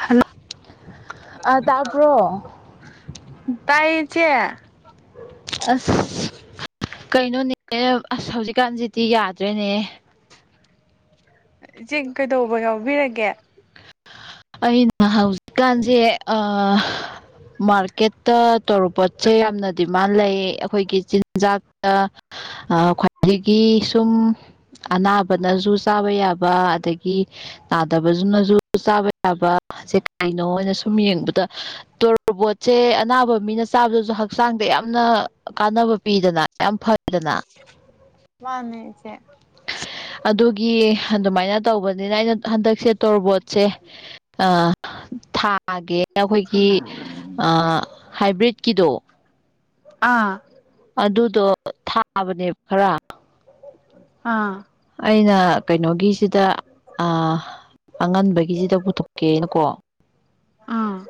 Hello ꯑ ꯇꯄ꯭ꯔꯣ ꯇꯥꯏꯌꯦ ꯏꯆꯦ ꯑꯁ ꯀꯩꯅꯣꯅꯦ ꯑꯁ ꯍꯧꯖꯤꯛꯀꯥꯟꯁꯤꯗꯤ ꯌꯥꯗ꯭ꯔꯦꯅꯦ ꯏꯆꯦ ꯀꯩꯗꯧꯕ ꯌꯥꯎꯕꯤꯔꯒꯦ ꯑꯩꯅ ꯍꯧꯖꯤꯛ ꯀꯥꯟꯁꯦ ꯑ ꯃꯥꯔꯀꯦꯠꯇ ꯇꯣꯔꯕꯣꯠꯁꯦ ꯌꯥꯝꯅ ꯗꯤꯃꯥꯟ ꯂꯩꯌꯦ ꯑꯩꯈꯣꯏꯒꯤ ꯆꯤꯟꯖꯥꯛꯇ ꯑ ꯈ꯭ꯋꯥꯏꯗꯒꯤ ꯁꯨꯝ ꯑꯅꯥꯕꯅꯁꯨ ꯆꯥꯕ ꯌꯥꯕ ꯑꯗꯒꯤ ꯅꯥꯗꯕꯖꯨ ꯅꯁꯨ ꯆꯥꯕ ꯌꯥꯕ ꯁꯦ ꯀꯩꯅꯣꯅ ꯁꯨꯝ ꯌꯦꯡꯕꯗ ꯇꯣꯔꯕꯣꯠꯁꯦ ꯑꯅꯥꯕ ꯃꯤꯅ ꯆꯥꯕꯗꯁꯨ ꯍꯛꯆꯥꯡꯗ ꯌꯥꯝꯅ ꯀꯥꯟꯅꯕ ꯄꯤꯗꯅ ꯌꯥꯝ ꯐꯗꯅ ꯃꯥꯅꯦ ꯏꯆꯦ ꯑꯗꯨꯒꯤ ꯑꯗꯨꯃꯥꯏꯅ ꯇꯧꯕꯅꯤꯅ ꯑꯩꯅ ꯍꯟꯗꯛꯁꯦ ꯇꯣꯔꯕꯣꯠꯁꯦ ꯑꯥ ꯊꯥꯒꯦ ꯑꯩꯈꯣꯏꯒꯤ ꯑꯥ ꯍꯥꯏꯕ꯭ꯔꯤꯠꯀꯤꯗꯣ ꯑꯥ ꯑꯗꯨꯗꯣ ꯊꯥꯕꯅꯦꯕ ꯈꯔ ꯑꯥ ꯑꯩꯅ ꯀꯩꯅꯣꯒꯤꯁꯤꯗ ꯑ ꯑꯉꯟꯕ ꯒꯤꯁꯤꯗ ꯄꯨꯊꯣꯛ ꯀꯦꯅꯀꯣ ꯎꯝ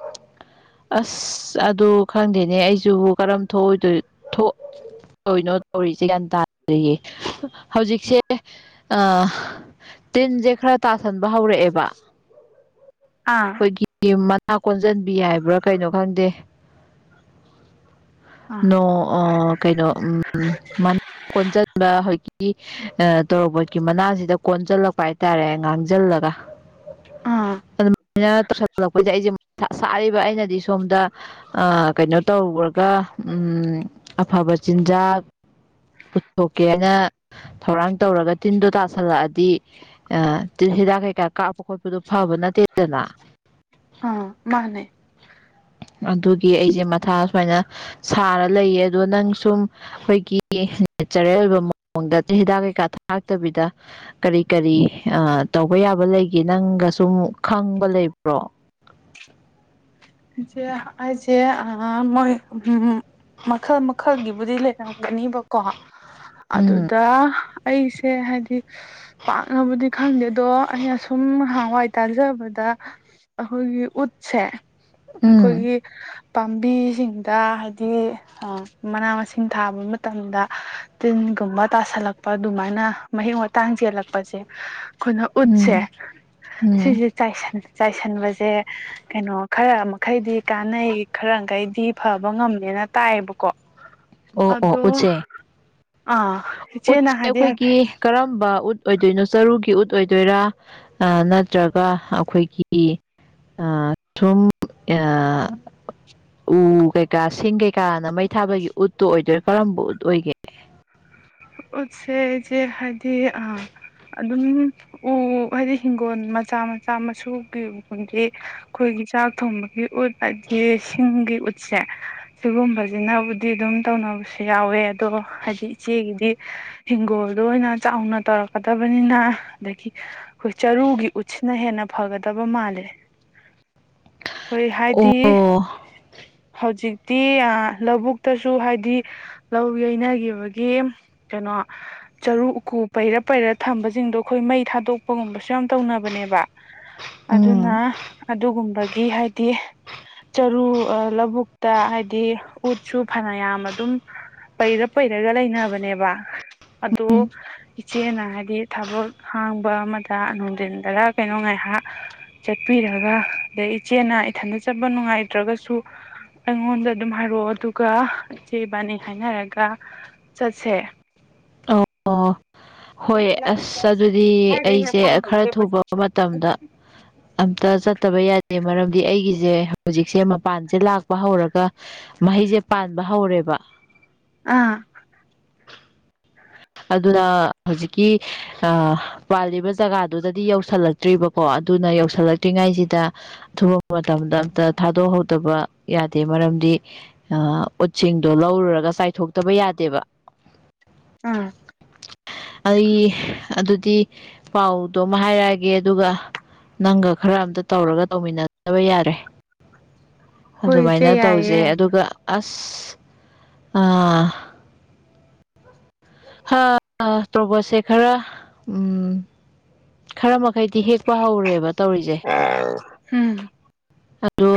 ꯑꯁ ꯑꯗꯨ ꯈꯪꯗꯦꯅꯦ ꯑꯩꯁꯨ ꯀꯔꯝ ꯊꯣꯛ ꯑꯣꯏꯗꯣꯏ ꯊꯣꯛ ꯇꯣꯏꯅꯣ ꯇꯧꯔꯤꯁꯦ ꯒ꯭ꯌꯥꯟ ꯇꯥꯔꯤꯌꯦ ꯍꯧꯖꯤꯛꯁꯦ ꯑ ꯇꯤꯟꯁꯦ ꯈꯔ ꯇꯥꯁꯟꯕ ꯍꯧꯔꯛꯑꯦꯕ ꯑꯥ ꯈꯣꯏꯒꯤ ꯃꯅꯥ ꯀꯣꯟꯁꯤꯟꯕꯤ ꯍꯥꯏꯕ꯭ꯔꯥ ꯀꯩꯅꯣ ꯈꯪꯗꯦ ꯑꯥ ꯅꯣ ꯑ ꯀꯩꯅꯣ ꯎꯝ ꯃꯅꯥ ꯀꯣꯟꯁꯤꯟꯕ ꯍꯣꯏꯀꯤ ꯅ ꯇꯣꯔꯣꯕꯣꯠꯀꯤ ꯃꯅꯥꯁꯤꯗ ꯀꯣꯟꯁꯤꯜꯂꯛꯄ ꯍꯥꯏꯇꯥꯔꯦ ꯉꯥꯡꯖꯜꯂꯒ ꯑ ꯑꯗꯨꯃꯥꯏꯅ ꯇꯧꯁꯤꯜꯂꯛ ꯄꯁꯤꯗ ꯑꯩꯁꯦ ꯃꯊꯥ ꯁꯥꯔꯤꯕ ꯑꯩꯅꯗꯤ ꯁꯣꯝꯗ ꯑ ꯀꯩꯅꯣ ꯇꯧꯒ꯭ꯔꯒ ꯎꯝ ꯑꯐꯕ ꯆꯤꯟꯖꯥꯛ ꯄꯨꯊꯣꯛꯀꯦꯅ ꯊꯧꯔꯥꯡ ꯇꯧꯔꯒ ꯇꯤꯟꯗꯣ ꯇꯥꯁꯜꯂꯛꯑꯗꯤ ꯑ ꯇꯤꯜ ꯍꯤꯗꯥꯛ ꯀꯩꯀꯥ ꯀꯥꯞꯄ ꯈꯣꯠꯄꯗꯨ ꯐꯕ ꯅꯠꯇꯦꯗꯅ ꯑ ꯃꯥꯅꯦ ꯑꯗꯨꯒꯤ ꯑꯩꯁꯦ ꯃꯊꯥ ꯁꯨꯃꯥꯏꯅ ꯁꯥꯔ ꯂꯩꯌꯦ ꯑꯗꯣ ꯅꯪ ꯁꯨꯝ ꯑꯈꯣꯏꯒꯤ ꯅꯦꯆꯔꯦꯜ ꯑꯣꯏꯕ ꯃꯑꯣꯡꯗ ꯇꯤꯜ ꯍꯤꯗꯥꯛ ꯀꯩꯀꯥ ꯊꯥꯛꯇꯕꯤꯗ ꯀꯔꯤ ꯀꯔꯤ ꯇꯧꯕ ꯌꯥꯕ ꯂꯩꯒꯦ ꯅꯪꯒ ꯁꯨꯝ ꯈꯪꯕ ꯂꯩꯕ꯭ꯔꯣ ꯑꯩꯁꯦ ꯑꯩꯁꯦ ꯑ ꯃꯣꯏ ꯎꯝ ꯃꯈꯜ ꯃꯈꯜꯒꯤꯕꯨꯗꯤ ꯂꯩꯔꯝꯒꯅꯤꯕꯀꯣ ꯎꯝ ꯑꯗꯨꯗ ꯑꯩꯁꯦ ꯍꯥꯏꯗꯤ ꯄꯥꯛꯅꯕꯨꯗꯤ ꯈꯪꯗꯦ ꯑꯗꯣ ꯑꯩꯅ ꯁꯨꯝ ꯅꯍꯥꯟꯋꯥꯏ ꯇꯥꯖꯕꯗ ꯑꯈꯣꯏꯒꯤ ꯎꯠꯁꯦ ꯎꯝ ꯑꯩꯈꯣꯏꯒꯤ ꯄꯥꯝꯕꯤꯁꯤꯡꯗ ꯍꯥꯏꯗꯤ ꯑ ꯃꯅꯥ ꯃꯁꯤꯡ ꯊꯥꯕ ꯃꯇꯝꯗ ꯇꯤꯟꯒꯨꯝꯕ ꯇꯥꯁꯜꯂꯛꯄ ꯑꯗꯨꯃꯥꯏꯅ ꯃꯍꯤꯛ ꯃꯇꯥꯡ ꯆꯦꯜꯂꯛꯄꯁꯦ ꯑꯈꯣꯏꯅ ꯎꯠꯁꯦ ꯎꯝ ꯎꯝ ꯁꯤꯁꯦ ꯆꯥꯏꯁꯟꯕꯁꯦ ꯀꯩꯅꯣ ꯈꯔ ꯃ ꯈꯩꯗꯤ ꯀꯥꯟꯅꯩ ꯈꯔꯝꯈꯩꯗꯤ ꯐꯕ ꯉꯝꯃꯦꯅ ꯇꯥꯏꯑꯦꯕꯀꯣ ꯑꯣ ꯑꯣ ꯑꯗꯣ ꯎꯠꯁꯦ ꯑ ꯎꯠꯁꯦ ꯑꯈꯣꯏꯒꯤ ꯀꯔꯝꯕ ꯎꯠ ꯑꯣꯏꯗꯣꯏꯅꯣ ꯆꯔꯨꯒꯤ ꯎꯠ ꯑꯣꯏꯗꯣꯏꯔꯥ ꯑ ꯅꯠꯇ꯭ꯔꯒ ꯑꯈꯣꯏꯒꯤ ꯑ ꯁꯨꯝ ꯑ ꯎ ꯀꯩꯀꯥ ꯁꯤꯡ ꯀꯩꯀꯥꯅ ꯃꯩ ꯊꯥꯕꯒꯤ ꯎꯠꯇꯨ ꯑꯣꯏꯗꯣꯏꯔ ꯀꯔꯝꯕ ꯎꯠ ꯑꯣꯏꯒꯦ ꯎꯠꯁꯦ ꯆꯦ ꯍꯥꯏꯗꯤ ꯑ ꯑꯗꯨꯝ ꯎ ꯍꯥꯏꯗꯤ ꯍꯤꯡꯒꯣꯟ ꯃꯆꯥ ꯃꯆꯥ ꯃꯁꯨꯒꯤ ꯎꯟꯗꯤ ꯈꯣꯏꯒꯤ ꯆꯥꯛ ꯊꯣꯡꯕꯒꯤ ꯎꯠ ꯍꯥꯢꯗꯤ ꯁꯤꯡꯒꯤ ꯎꯠꯁꯦ ꯁꯤꯒꯨꯝꯕ ꯁꯤꯅꯕꯨꯗꯤ ꯑꯗꯨꯝ ꯇꯧꯅꯕꯁꯨ ꯌꯥꯎꯋꯦ ꯑꯗꯣ ꯍꯥꯏꯗꯤ ꯏꯆꯦꯒꯤꯗꯤ ꯍꯪꯒꯣꯜꯗ ꯑꯣꯏꯅ ꯆꯥꯎꯅ ꯇꯧꯔꯛꯀꯗꯕꯅꯤꯅ ꯑꯗꯒꯤ ꯑꯩꯈꯣꯏ ꯆꯔꯨꯒꯤ ꯎꯠꯁꯤꯅ ꯍꯦꯟꯅ ꯐꯒꯗꯕ ꯃꯥꯜꯂꯦ ꯑꯩꯈꯣꯏ ꯍꯥꯏꯗꯤ ꯑꯣ ꯍꯧꯖꯤꯛꯇꯤ ꯂꯧꯕꯨꯛꯇꯁꯨ ꯍꯥꯏꯗꯤ ꯂꯧ ꯌꯩꯅꯈꯤꯕꯒꯤ ꯒꯤ ꯀꯩꯅꯣ ꯆꯔꯨ ꯎꯀꯨ ꯄꯩꯔ ꯄꯩꯔ ꯊꯝꯕꯁꯤꯡꯗꯣ ꯈꯣꯏ ꯃꯩ ꯊꯥꯗꯣꯛꯄ ꯒꯨꯝꯕꯁꯨ ꯌꯥꯝ ꯇꯧꯅꯕꯅꯦꯕ ꯑꯗꯨꯅ ꯎꯝ ꯑꯗꯨꯒꯨꯝꯕꯒꯤ ꯍꯥꯏꯗꯤ ꯆꯔꯨ ꯑ ꯂꯕꯨꯛꯇ ꯍꯥꯏꯗꯤ ꯎꯠꯁꯨ ꯐꯅꯌꯥꯝ ꯑꯗꯨꯝ ꯄꯩꯔ ꯄꯩꯔꯒ ꯂꯩꯅꯕꯅꯦꯕ ꯑꯗꯣ ꯎꯝ ꯏꯆꯦꯅ ꯍꯥꯏꯗꯤ ꯊꯕꯛ ꯍꯥꯡꯕ ꯑꯃꯗ ꯅꯨꯡꯗꯤꯟꯗꯔ ꯀꯩꯅꯣ ꯉꯥꯏꯍꯥꯛ ꯆꯠꯄꯤꯔꯒ ꯑꯗꯩ ꯏꯆꯦꯅ ꯏꯊꯟꯇ ꯆꯠꯄ ꯅꯨꯡꯉꯥꯏꯇ꯭ꯔꯒꯁꯨ ꯑꯩꯉꯣꯟꯗ ꯑꯗꯨꯝ ꯍꯥꯏꯔꯛꯑꯣ ꯑꯗꯨꯒ ꯏꯆꯦ ꯏꯕꯥꯅꯤ ꯍꯥꯏꯅꯔꯒ ꯆꯠꯁꯦ ꯑꯣ ꯑꯣ ꯍꯣꯏ ꯂꯝꯕꯤ ꯑꯁ ꯑꯗꯨꯗꯤ ꯁ꯭ꯋꯥꯏꯗꯩ ꯍꯦꯛ ꯑꯩꯁꯦ ꯐꯝꯃꯒ ꯈꯔ ꯂꯦꯞꯄꯁꯤ ꯊꯨꯕ ꯃꯇꯝꯗ ꯑꯝꯇ ꯆꯠꯇꯕ ꯌꯥꯗꯦ ꯃꯔꯝꯗꯤ ꯑꯩꯒꯤꯁꯦ ꯍꯧꯖꯤꯛꯁꯦ ꯃꯄꯥꯟꯁꯦ ꯂꯥꯛꯄ ꯍꯧꯔꯒ ꯃꯍꯩꯁꯦ ꯄꯥꯟꯕ ꯍꯧꯔꯦꯕ ꯑꯥ ꯑꯗꯨꯅ ꯍꯧꯖꯤꯛꯀꯤ ꯑ ꯄꯥꯜꯂꯤꯕ ꯖꯒꯥꯗꯨꯗꯗꯤ ꯌꯧꯁꯜꯂꯛꯇ꯭ꯔꯤꯕꯀꯣ ꯑꯗꯨꯅ ꯌꯧꯁꯤꯜꯂꯛꯇ꯭ꯔꯤꯉꯥꯏꯁꯤꯗ ꯑ ꯊꯨꯕ ꯃꯇꯝꯗ ꯑꯝꯇ ꯊꯥꯗꯣꯛꯍꯧꯗꯕ ꯌꯥꯗꯦ ꯃꯔꯝꯗꯤ ꯎꯠꯁꯤꯡꯗꯣ ꯂꯧꯔꯨꯔꯒ ꯆꯥꯏꯊꯣꯛꯇꯕ ꯌꯥꯗꯦꯕ ꯎꯝ ꯑꯩ ꯑꯗꯨꯗꯤ ꯄꯥꯎꯗꯣ ꯑꯃ ꯍꯥꯏꯔꯛꯑꯒꯦ ꯑꯗꯨꯒ ꯅꯪꯒ ꯈꯔ ꯑꯝꯇ ꯇꯧꯔꯒ ꯇꯧꯃꯤꯟꯅꯅꯕ ꯌꯥꯔꯦ ꯍꯣꯏ ꯑꯗꯨꯃꯥꯏꯅ ꯏꯆꯦ ꯇꯧꯖꯩ ꯌꯥꯏꯌꯦ ꯑꯗꯨꯒ ꯑꯁ ꯇ꯭ꯔꯣꯕꯣꯠꯁꯦ ꯈꯔ ꯎꯝ ꯈꯔ ꯃꯈꯩꯗꯤ ꯍꯦꯛꯄ ꯍꯧꯔꯦꯕ ꯇꯧꯔꯤꯁꯦ ꯑ ꯎꯝ ꯑꯗꯣ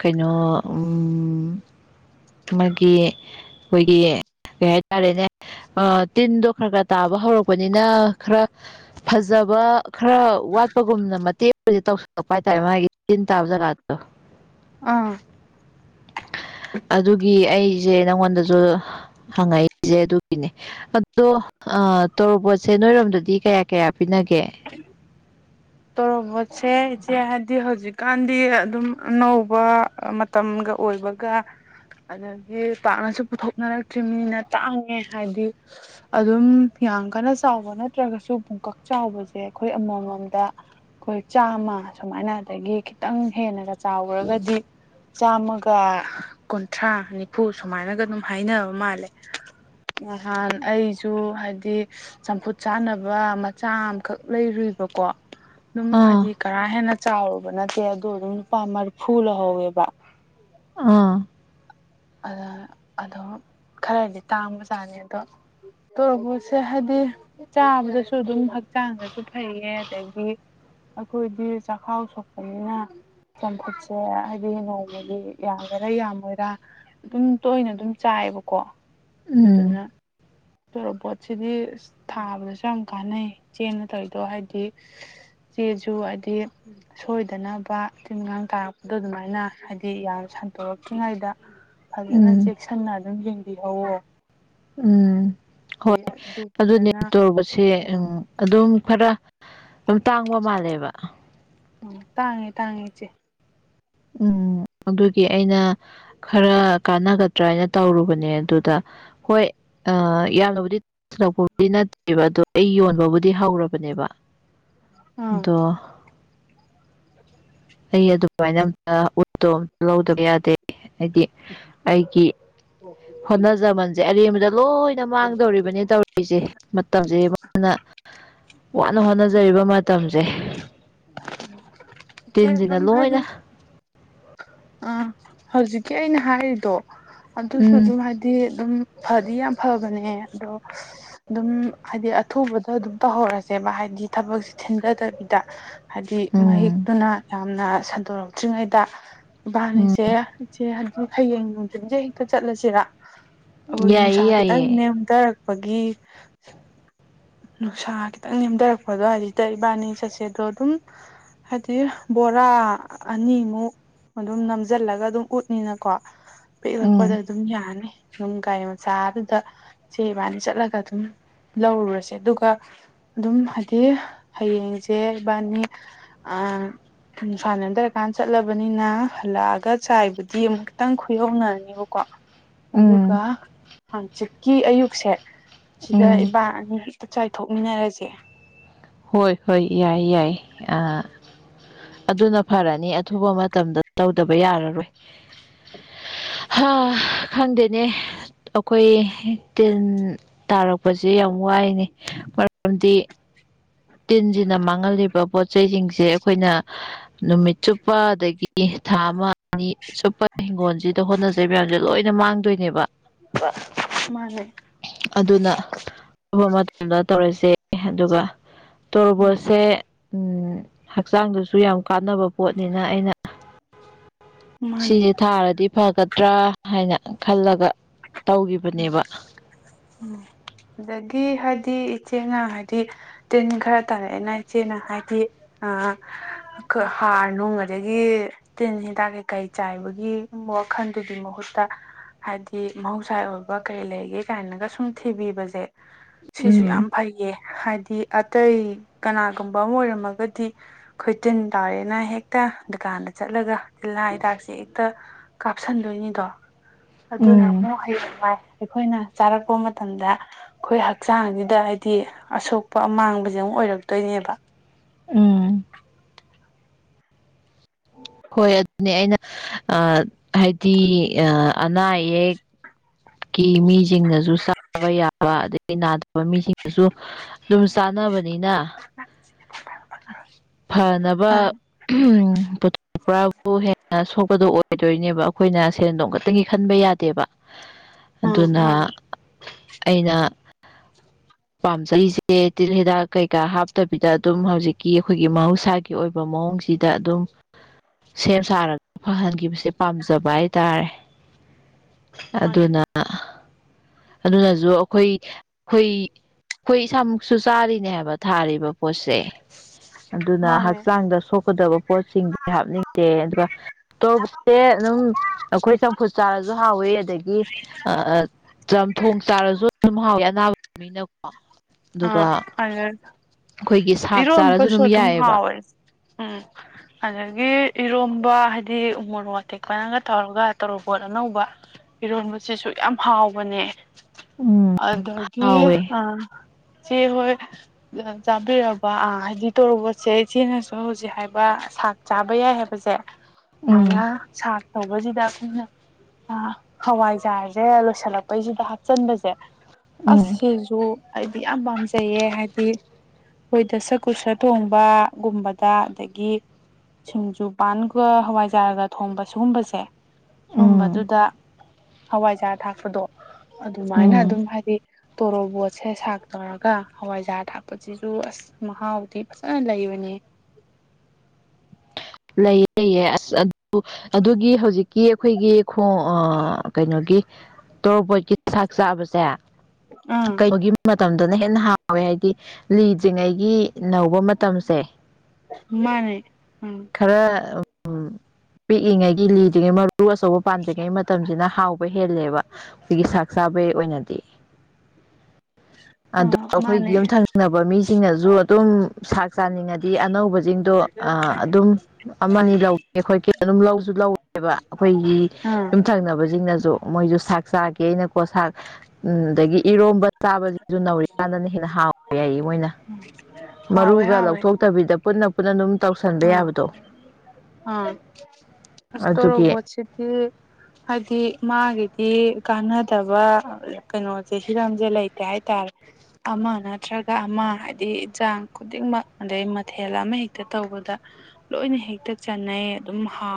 ꯀꯩꯅꯣ ꯃꯥꯒꯤ ꯑꯩꯈꯣꯏꯒꯤ ꯀꯩ ꯍꯥꯏꯇꯥꯔꯦꯅꯦ ꯇꯤꯟꯗꯣ ꯈꯔ ꯈꯔ ꯇꯥꯕ ꯍꯧꯔꯛꯄꯅꯤꯅ ꯈꯔ ꯐꯖꯕ ꯈꯔ ꯋꯥꯠꯄꯒꯨꯝꯅ ꯃꯇꯦꯛ ꯇꯧꯁꯜꯂꯛꯄ ꯍꯥꯏꯇꯥꯔꯦ ꯃꯥꯒꯤ ꯇꯤꯟ ꯇꯥꯕ ꯖꯒꯥꯗꯣ ꯑꯥ ꯑꯗꯨꯒꯤ ꯑꯩꯁꯦ ꯅꯪꯉꯣꯟꯗꯁꯨ ꯍꯪꯉꯛꯏꯁꯦ ꯑꯗꯨꯒꯤꯅꯦ ꯑꯗꯣ ꯇꯣꯔꯣꯕꯣꯠꯁꯦ ꯅꯣꯏꯔꯣꯝꯗꯗꯤ ꯀꯌꯥ ꯀꯌꯥ ꯄꯤꯅꯒꯦ ꯇꯧꯣꯔꯕꯣꯠꯁꯦ ꯏꯆꯦ ꯍꯥꯏꯕꯗꯤ ꯍꯧꯖꯤꯛꯀꯥꯟꯗꯤ ꯑꯗꯨꯝ ꯑꯅꯧꯕ ꯇꯝꯒ ꯑꯣꯏꯕꯒ ꯎ ꯑꯗꯒꯤ ꯄꯥꯛꯅꯁꯨ ꯄꯨꯊꯣꯛꯅꯔꯛꯇ꯭ꯔꯤꯕꯅꯤꯅ ꯇꯥꯡꯉꯦ ꯍꯥꯏꯗꯤ ꯑꯗꯨꯝ ꯌꯥꯝ ꯀꯟꯅ ꯆꯥꯎꯕ ꯅꯠꯇ꯭ꯔꯒꯁꯨ ꯄꯨꯡꯀꯛ ꯆꯥꯎꯕꯁꯦ ꯑꯩꯈꯣꯏ ꯑꯃꯃꯝꯗ ꯑꯩꯈꯣꯏ ꯆꯥꯃ ꯁꯨꯃꯥꯏꯅ ꯑꯗꯒꯤ ꯈꯤꯇꯪ ꯍꯦꯟꯅꯒ ꯆꯥꯎꯈꯔꯒꯗꯤ ꯆꯥꯝꯃꯒ ꯀꯨꯟꯊ꯭ꯔꯥ ꯅꯤꯐꯨ ꯁꯨꯃꯥꯏꯅꯒ ꯑꯗꯨꯝ ꯍꯥꯏꯅꯕ ꯃꯥꯜꯂꯦ ꯅꯍꯥꯟ ꯑꯩꯁꯨ ꯍꯥꯏꯗꯤ ꯆꯝꯐꯨꯠ ꯆꯥꯅꯕ ꯃꯆꯥ ꯑꯃꯈꯛ ꯂꯩꯔꯨꯏꯕꯀꯣ ꯑꯗꯨꯝ ꯍꯥꯏꯗꯤ ꯑꯥ ꯀꯔꯥ ꯍꯦꯟꯅ ꯆꯥꯎꯔꯨꯕ ꯅꯠꯇꯦ ꯑꯗꯣ ꯑꯗꯨꯝ ꯂꯨꯄꯥ ꯃꯔꯤꯐꯨ ꯂꯧꯍꯧꯋꯦꯕ ꯑꯥ ꯑꯗ ꯑꯗꯣ ꯈꯔꯗꯤ ꯇꯥꯡꯕꯖꯥꯠꯅꯤ ꯑꯗꯣ ꯇꯕꯨ ꯁꯦ ꯍꯥꯏꯗꯤ ꯆꯥꯕꯗꯁꯨ ꯑꯗꯨꯝ ꯍꯛꯆꯥꯡꯗꯁꯨ ꯐꯩꯌꯦ ꯑꯗꯒꯤ ꯑꯩꯈꯣꯏꯗꯤ ꯆꯈꯥꯎ ꯁꯣꯛꯄꯅꯤꯅ ꯆꯝꯐꯨꯠꯁꯦ ꯍꯥꯏꯗꯤ ꯅꯣꯡꯃꯗꯤ ꯌꯥꯒꯦꯔꯥ ꯌꯥꯝꯃꯣꯏꯔꯥ ꯑꯗꯨꯝ ꯇꯣꯏꯅ ꯑꯗꯨꯝ ꯆꯥꯏꯑꯌꯦꯕꯀꯣ ꯎꯝ ꯑꯗꯨꯗꯨꯅ ꯇꯣꯔꯣꯕꯣꯠꯁꯤꯗꯤ ꯊꯥꯕꯗꯁꯨ ꯌꯥꯝ ꯀꯥꯟꯅꯩ ꯆꯦꯅ ꯇꯧꯔꯤꯗꯣ ꯍꯥꯏꯗꯤ ꯆꯦꯖꯨ ꯍꯥꯏꯗꯤ ꯁꯣꯏꯗꯅꯕ ꯇꯤꯟ ꯀꯥꯡ ꯇꯥꯔꯛꯄꯗꯣ ꯑꯗꯨꯃꯥꯏꯅ ꯍꯥꯏꯗꯤ ꯌꯥꯝ ꯁꯟꯇꯣꯔꯛꯇ꯭ꯔꯤꯉꯩꯗ ꯐꯖꯅ ꯎꯝ ꯆꯦꯛꯁꯤꯟꯅ ꯑꯗꯨꯝ ꯌꯦꯡꯕꯤꯍꯧꯋ ꯎꯝ ꯍꯣꯏ ꯑꯗꯨ ꯑꯗꯨꯅꯦ ꯐꯖꯅ ꯇꯣꯔꯕꯣꯠꯁꯦ ꯑꯥ ꯑꯗꯨꯝ ꯈꯔ ꯑꯗꯨꯝ ꯇꯥꯡꯕ ꯃꯥꯜꯂꯦꯕ ꯎꯝ ꯇꯥꯡꯉꯦ ꯇꯥꯡꯉꯦ ꯏꯆꯦ ꯎꯝ ꯑꯗꯨꯒꯤ ꯑꯩꯅ ꯈꯔ ꯀꯥꯟꯅꯒꯗ꯭ꯔꯥ ꯍꯥꯏꯅ ꯇꯧꯔꯨꯕꯅꯦ ꯑꯗꯨꯗ ꯍꯣꯏ ꯎꯝ ꯌꯥꯝꯂꯕꯗꯤ ꯂꯛꯄꯕꯨꯗꯤ ꯅꯠꯇꯦꯕ ꯑꯗꯣ ꯑꯩ ꯌꯣꯟꯕꯕꯨꯗꯤ ꯍꯧꯔꯕꯅꯦꯕ ꯑꯥ ꯑꯗꯣ ꯑꯩ ꯑꯗꯨꯃꯥꯏꯅ ꯎꯠꯇꯣ ꯑꯝꯇ ꯂꯧꯗꯕ ꯌꯥꯗꯦ ꯍꯥꯏꯗꯤ ꯑꯩꯒꯤ ꯍꯣꯅꯖꯖꯦ ꯑ ꯂꯣꯏꯅ ꯃꯥꯡꯗꯧꯔꯤꯕꯅꯤ ꯇꯧꯔꯤꯁꯦ ꯃꯇꯝꯁꯦ ꯃꯥꯅ ꯋꯥꯅ ꯍꯣꯠꯅꯖꯔꯤꯕ ꯃꯇꯝꯁꯦ ꯏꯆꯦ ꯇꯤꯟꯁꯤꯅ ꯑꯗꯨꯝ ꯍꯥꯏꯗꯤ ꯂꯣꯏꯅ ꯑꯥ ꯍꯧꯖꯤꯛꯀꯤ ꯑꯩꯅ ꯍꯥꯏꯔꯤꯗꯣ ꯑꯗꯨꯁꯨ ꯎꯝ ꯑꯗꯨꯝ ꯍꯥꯏ ꯗꯤ ꯑꯗꯨꯝ ꯐꯗꯤ ꯌꯥꯝ ꯐꯕꯅꯦ ꯑꯗꯣ ꯑꯗꯨꯝ ꯍꯥꯏꯗꯤ ꯑꯊꯨꯕꯗ ꯑꯗꯨꯝ ꯇꯧꯍꯧꯔꯁꯦꯕ ꯍꯥꯏꯗꯤ ꯊꯕꯛꯁꯦ ꯊꯤꯟꯊꯗꯕꯤꯗ꯫ ꯍꯥꯏꯗꯤ ꯎꯝ ꯃꯍꯤꯛꯇꯨꯅ ꯌꯥꯝꯅ ꯁꯟꯗꯣꯔꯛꯇ꯭ꯔꯤꯉꯩꯗ ꯎꯝ ꯏꯕꯥꯅꯤꯁꯦ ꯏꯆꯦ ꯍꯥꯏꯗꯤ ꯍꯌꯦꯡ ꯅꯨꯡꯊꯤꯟꯁꯦ ꯍꯦꯛꯇ ꯆꯠꯂꯁꯤꯔ ꯑꯍꯣꯏ ꯌꯥꯏꯌꯦ ꯅꯨꯡꯁꯥ ꯈꯤꯇꯪ ꯌꯥꯏꯌꯦ ꯅꯦꯝꯊꯔꯛꯄꯒꯤ ꯅꯨꯡꯁꯥ ꯈꯤꯇꯪ ꯅꯦꯝꯊꯔꯛꯄꯗꯣ ꯍꯥꯏꯗꯤ ꯏꯕꯥꯅꯤ ꯆꯠꯁꯦꯗꯣ ꯑꯗꯨꯝ ꯍꯥꯏꯗꯤ ꯕꯣꯔꯥ ꯑꯅꯤꯃꯨꯛ ꯑꯗꯨꯝ ꯅꯝꯖꯜꯂꯒ ꯑꯗꯨꯝ ꯎꯠꯅꯤꯅꯀꯣ ꯄꯦꯛꯂꯛꯄꯗ ꯎꯝ ꯑꯗꯨꯝ ꯌꯥꯅꯤ ꯅꯨꯡ ꯀꯥꯏ ꯃꯆꯥꯗꯨꯗ ꯆꯦꯕꯥꯅ ꯆꯠꯂꯒ ꯑꯗꯨꯝ ꯂꯧꯔꯨꯔꯁꯤ ꯑꯗꯨꯒ ꯑꯗꯨꯝ ꯍꯥꯏꯗꯤ ꯍꯌꯦꯡꯁꯦ ꯏꯕꯥꯅꯤ ꯎꯝ ꯅꯨꯡꯁꯥ ꯅꯦꯝꯊꯔꯛꯂ ꯀꯥꯟꯗ ꯆꯠꯂꯕꯅꯤꯅ ꯍꯜꯂꯛꯑꯒ ꯆꯥꯏꯕꯨꯗꯤ ꯑꯃꯨꯛ ꯈꯇꯪ ꯈꯨꯌꯧꯅꯔꯅꯤꯕꯀꯣ ꯑꯗꯨꯒ ꯎꯝ ꯍꯥꯡꯆꯤꯠꯀꯤ ꯑꯌꯨꯛꯁꯦ ꯁꯤꯗ ꯎꯝ ꯏꯕꯥꯅꯤ ꯆꯥꯏꯊꯣꯛꯃꯤꯟꯅꯔꯁꯦ ꯍꯣꯏ ꯍꯣꯏ ꯌꯥꯏ ꯌꯥꯏ ꯑ ꯑꯗꯨꯅ ꯐꯔꯅꯤ ꯑꯊꯨꯕ ꯃꯇꯝꯗ ꯇꯧꯗꯕ ꯌꯥꯔꯔꯣꯏ ꯍꯥ ꯈꯪꯗꯦꯅꯦ ꯑꯩꯈꯣꯏ ꯇꯤꯟ ꯇꯥꯔꯛꯄꯁꯦ ꯌꯥꯝ ꯋꯥꯏꯅꯤ ꯃꯔꯝꯗꯤ ꯇꯤꯟꯁꯤꯅ ꯃꯥꯡꯍꯜꯂꯤꯕ ꯄꯣꯠ ꯆꯩꯁꯤꯡꯁꯦ ꯑꯩꯈꯣꯏꯅ ꯅꯨꯃꯤꯠ ꯆꯨꯞꯄ ꯑꯗꯒꯤ ꯊꯥ ꯑꯃ ꯑꯅꯤ ꯁꯨꯞꯄ ꯍꯤꯡꯒꯣꯜꯁꯤꯗ ꯍꯣꯠꯅꯖꯩ ꯃꯌꯥꯝꯁꯦ ꯂꯣꯏꯅ ꯃꯥꯡꯗꯣꯏꯅꯦꯕ ꯃꯥꯅꯦ ꯑꯗꯨꯅ ꯑꯊꯨꯕ ꯃꯇꯝꯗ ꯇꯧꯔꯁꯦ ꯑꯗꯨꯒ ꯎꯝ ꯇꯣꯔꯕꯣꯠꯁꯦ ꯍꯛꯆꯥꯡꯗꯁꯨ ꯌꯥꯝ ꯀꯥꯟꯅꯕ ꯄꯣꯠꯅꯤꯅ ꯑꯩꯅ ꯃꯥꯅꯦ ꯁꯤꯁꯦ ꯊꯥꯔꯗꯤ ꯐꯒꯗ꯭ꯔꯥ ꯍꯥꯏꯅ ꯈꯜꯂꯒ ꯎꯝ ꯇꯧꯈꯤꯕꯅꯦꯕ ꯎꯝ ꯑꯗꯒꯤ ꯍꯥꯏꯗꯤ ꯏꯆꯦꯅ ꯍꯥꯏꯗꯤ ꯇꯤꯟ ꯈꯔ ꯇꯥꯔꯛꯑꯦꯅ ꯏꯆꯦꯅ ꯍꯥꯏꯗꯤ ꯑ ꯑꯩꯈꯣꯏ ꯍꯥꯔ ꯅꯨꯡ ꯑꯗꯒꯤ ꯇꯤꯟ ꯍꯤꯗꯥꯛ ꯀꯩꯀꯩ ꯆꯥꯏꯕꯒꯤ ꯋꯥꯈꯜꯗꯨꯒꯤ ꯃꯍꯨꯠꯇ ꯍꯥꯏꯗꯤ ꯃꯍꯧꯁꯥ ꯑꯣꯏꯕ ꯀꯔꯤ ꯂꯩꯒꯦ ꯀꯥꯏꯅꯒ ꯁꯨꯝ ꯊꯤꯕꯤꯕꯁꯦ ꯁꯤꯁꯨ ꯎꯝ ꯌꯥꯝ ꯐꯩꯌꯦ ꯍꯥꯏꯗꯤ ꯑꯇꯩ ꯀꯅꯥꯒꯨꯝꯕ ꯑꯃ ꯑꯣꯏꯔꯝꯃꯒꯗꯤ ꯈꯣꯏꯇꯤꯟ ꯇꯥꯔꯦꯅ ꯍꯦꯛꯇ ꯗꯨꯀꯥꯟꯗ ꯆꯠꯂꯒ ꯇꯤꯜꯍꯥꯠ ꯍꯤꯗꯥꯛꯁꯦ ꯍꯦꯛꯇ ꯀꯥꯞꯁꯤꯟꯗꯣꯏꯅꯤꯗꯣ ꯑꯗꯨꯅ ꯎꯝ ꯑꯃꯨꯛ ꯍꯌꯦꯡꯋꯥꯏ ꯑꯩꯈꯣꯏꯅ ꯆꯥꯔꯛꯄ ꯃꯇꯝꯗ ꯑꯩꯈꯣꯏ ꯍꯛꯆꯥꯡꯁꯤꯗ ꯍꯥꯏꯗꯤ ꯑꯁꯣꯛꯄ ꯑꯃꯥꯡꯕꯁꯦ ꯑꯃꯨꯛ ꯑꯣꯏꯔꯛꯇꯣꯏꯅꯦꯕ ꯎꯝ ꯍꯣꯏ ꯑꯗꯨꯅꯦ ꯑꯩꯅ ꯍꯥꯏꯗꯤ ꯑ ꯑꯅꯥ ꯑꯌꯦꯛ ꯀꯤ ꯃꯤꯁꯤꯡꯅꯁꯨ ꯁꯥꯕ ꯌꯥꯕꯗ ꯑꯩꯈ ꯅꯥꯗꯕ ꯃꯤꯁꯤꯡꯅꯁꯨ ꯑꯗꯨꯝ ꯆꯥꯅꯕꯅꯤꯅ ꯐꯅꯕ ꯑꯥ ꯎ ꯄ꯭ꯔꯕꯨ ꯍꯦꯟꯅ ꯁꯣꯛꯄꯗꯣ ꯑꯣꯏꯗꯣꯏꯅꯦꯕ ꯑꯩꯈꯣꯏꯅ ꯁꯦꯟꯗꯣꯡ ꯈꯛꯇꯪꯒꯤ ꯈꯟꯕ ꯌꯥꯗꯦꯕ ꯑꯥ ꯑꯗꯨꯅ ꯃꯥꯅꯦ ꯑꯩꯅ ꯄꯥꯝꯖꯔꯤꯁꯦ ꯇꯤꯜ ꯍꯤꯗꯥꯛ ꯀꯩꯀꯥ ꯍꯥꯞꯇꯕꯤꯗ ꯑꯗꯨꯝ ꯍꯧꯖꯤꯛꯀꯤ ꯑꯩꯈꯣꯏꯒꯤ ꯃꯍꯧꯁꯥꯒꯤ ꯒꯤ ꯑꯣꯏꯕ ꯃꯑꯣꯡꯁꯤꯗ ꯑꯗꯨꯝ ꯁꯦꯝ ꯁꯥꯔꯒ ꯐꯍꯟꯈꯤꯕꯁꯦ ꯄꯥꯝꯖꯕ ꯍꯥꯏꯇꯥꯔꯦ ꯃꯥꯅꯦ ꯑꯗꯨꯅ ꯑꯗꯨꯅꯁꯨ ꯑꯩꯈꯣꯏ ꯑꯩꯈꯣꯏ ꯑꯩꯈꯣꯏ ꯏꯁꯥꯃꯛꯁꯨ ꯆꯥꯔꯤꯅꯦ ꯍꯥꯏꯕ ꯊꯥꯔꯤꯕ ꯄꯣꯠꯁꯦ ꯑꯗꯨꯅ ꯃꯥꯅꯦ ꯍꯛꯆꯥꯡꯗ ꯁꯣꯛꯀꯗꯕ ꯄꯣꯠꯁꯤꯡꯗꯤ ꯍꯥꯞꯅꯤꯡꯗꯦ ꯑꯗꯨꯒ ꯇꯣꯔꯕꯣꯠꯁꯦ ꯑꯗꯨꯝ ꯑꯩꯈꯣꯏ ꯆꯝꯐꯨꯠ ꯆꯥꯔꯁꯨ ꯍꯥꯎꯋꯤ ꯑꯗꯒꯤ ꯑ ꯆꯝꯊꯣꯡ ꯆꯥꯔꯁꯨ ꯑꯗꯨꯝ ꯍꯥꯎꯋꯤ ꯑꯅꯥꯕ ꯃꯤꯅꯀꯣ ꯑꯗꯨꯒ ꯑꯥ ꯑꯩꯈꯣꯏꯒꯤ ꯁꯥꯛ ꯆꯥꯔꯁꯨ ꯏꯔꯣꯝꯕꯁꯨ ꯑꯗꯨꯝ ꯌꯥꯏꯑꯕ ꯍꯥꯎꯣꯏ ꯎꯝ ꯑꯗꯒꯤ ꯏꯔꯣꯝꯕ ꯍꯥꯏꯗꯤ ꯎ ꯃꯣꯔꯣꯇꯦꯛꯄꯅꯪꯒ ꯇꯧꯔꯒ ꯇꯣꯔꯣꯕꯣꯠ ꯑꯅꯧꯕ ꯏꯔꯣꯟꯕꯁꯤꯁꯨ ꯌꯥꯝ ꯍꯥꯎꯕꯅꯦ ꯎꯝ ꯑꯗꯒꯤ ꯍꯥꯎꯋꯦ ꯑ ꯁꯤ ꯍꯣꯏ ꯆꯥꯕꯤꯔꯕ ꯑꯥ ꯍꯥꯏꯗꯤ ꯇꯣꯔꯣꯕꯣꯠꯁꯦ ꯏꯆꯦꯅꯁꯨ ꯍꯧꯖꯤꯛ ꯍꯥꯏꯕ ꯁꯥꯛ ꯆꯥꯕ ꯌꯥꯏ ꯍꯥꯏꯕꯁꯦ ꯃꯥꯅ ꯎꯝ ꯁꯥꯔ ꯇꯧꯕꯁꯤꯗ ꯑꯩꯈꯣꯏꯅ ꯍꯋꯥꯏꯖꯥꯔꯁꯦ ꯂꯣꯏꯁꯤꯜꯂꯛꯄꯩꯁꯤꯗ ꯍꯥꯞꯆꯤꯟꯕꯁꯦ ꯑꯁ ꯎꯝ ꯁꯤꯁꯨ ꯑꯩꯗꯤ ꯌꯥꯝ ꯄꯥꯝꯖꯩꯌꯦ ꯍꯥꯏꯗꯤ ꯑꯩꯈꯣꯏꯗ ꯁꯛꯀꯨꯁ ꯊꯣꯡꯕꯒꯨꯝꯕꯗ ꯑꯗꯒꯤ ꯁꯤꯡꯖꯨꯄꯥꯟꯒ ꯍꯋꯥꯏꯖꯥꯔꯒ ꯊꯣꯡꯕ ꯁꯤꯒꯨꯝꯕꯁꯦ ꯎꯝ ꯁꯨꯝꯕꯗꯨꯗ ꯍꯋꯥꯏꯖꯥꯔꯥ ꯊꯥꯛꯄꯗꯣ ꯑꯗꯨꯃꯥꯏꯅ ꯎꯝ ꯑꯗꯨꯝ ꯍꯥꯏꯗꯤ ꯇꯣꯔꯣꯕꯣꯠꯁꯦ ꯇꯧꯔꯒ ꯍꯋꯥꯏꯖꯥꯔ ꯊꯥꯛꯄꯁꯤꯁꯨ ꯑꯁ ꯃꯍꯥꯎꯗꯤ ꯐꯖꯅ ꯂꯩꯕꯅꯤ ꯂꯩꯌꯦ ꯂꯩꯌꯦ ꯑꯁ ꯑꯗꯨ ꯑꯗꯨꯒꯤ ꯍꯧꯖꯤꯛꯀꯤ ꯑꯩꯈꯣꯏꯒꯤ ꯈꯣꯡ ꯀꯩꯅꯣꯒꯤ ꯇꯣꯔꯣꯕꯣꯠꯀꯤ ꯆꯥꯛ ꯆꯥꯕꯁꯦ ꯑꯥ ꯃꯇꯝꯗꯅ ꯍꯦꯟꯅ ꯍꯥꯎꯋꯦ ꯍꯥꯏꯕꯗꯤ ꯂꯤꯗ꯭ꯔꯤꯉꯩꯒꯤ ꯅꯧꯕ ꯃꯇꯝꯁꯦ ꯃꯥꯅꯦ ꯎꯝ ꯈꯔ ꯄꯤꯛꯏꯉꯩꯒꯤ ꯂꯤꯗ꯭ꯔꯤꯉꯩ ꯃꯔꯨ ꯑꯆꯧꯕ ꯄꯥꯟꯗ꯭ꯔꯤꯉꯩ ꯃꯇꯝꯁꯤꯅ ꯍꯥꯎ ꯍꯦꯜꯂꯦꯕ ꯑꯩꯈꯣꯏꯒꯤ ꯆꯥꯛ ꯆꯥꯕꯒꯤ ꯑꯣꯏꯅꯗꯤ ꯑꯗꯣ ꯑꯥ ꯃꯥꯅꯦ ꯑꯩꯈꯣꯏꯒꯤ ꯌꯨꯝ ꯊꯪꯅꯕ ꯃꯤꯁꯤꯡꯅꯁꯨ ꯑꯗꯨꯝ ꯆꯥꯛ ꯆꯥꯅꯤꯡꯉꯗꯤ ꯑꯅꯧꯕꯁꯤꯡꯗꯣ ꯂꯩ ꯑꯗꯨꯝ [unintelligible] ꯑꯃꯅꯤ ꯂꯧ ꯑꯩꯈꯣꯏ ꯑꯗꯨꯝ ꯂꯧꯁꯨ ꯂꯧꯋꯦꯕ ꯑꯩꯈꯣꯏꯒꯤ ꯑꯥ ꯌꯨꯝꯊꯪꯅꯕꯁ ꯁꯤꯡꯅ ꯃꯣꯏ ꯆꯥꯦꯩꯅꯀꯣ ꯎꯔ ꯆꯥꯕꯁꯤꯁꯨ ꯅꯧꯔꯤꯀꯥꯟꯗꯅ ꯍꯦꯟꯅ ꯍꯥꯎꯕ ꯌꯥꯏꯌꯦ ꯃꯣꯏꯅ ꯍꯥꯎꯋꯦ ꯃꯔꯨꯒ ꯍꯥꯎꯋꯦ ꯂꯧꯊꯣꯛꯇꯕꯤꯗ ꯄꯨꯟꯅ ꯄꯨꯟꯅ ꯑꯗꯨꯝ ꯇꯧꯁꯟꯕ ꯌꯥꯕꯗꯣ ꯑ ꯑꯗꯨꯒꯤ ꯐꯁꯇꯣꯔꯕꯨ ꯁꯤꯗꯤ ꯍꯥꯏꯗꯤ ꯃꯥꯒꯤꯗꯤ ꯀꯥꯟꯅꯗꯕ ꯀꯩꯅꯣꯁꯦ ꯁꯤꯔꯁꯦ ꯂꯩꯇꯦ ꯍꯥꯏꯇꯥꯔꯦ ꯑꯃ ꯅꯠꯇ꯭ꯔꯒ ꯑꯃ ꯍꯥꯏꯗꯤ ꯌꯦꯟꯖꯥꯡ ꯈꯨꯗꯤꯡꯃꯛ ꯑꯗꯩ ꯃꯊꯦꯜ ꯑꯃ ꯍꯦꯛꯇ ꯇꯧꯕꯗ ꯂꯣꯏꯅ ꯍꯦꯛꯇ ꯆꯥꯟꯅꯩ ꯑꯗꯨꯝ